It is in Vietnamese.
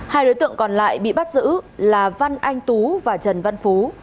hai đối tượng còn lại bị bắt giữ là văn anh tú và trần văn phú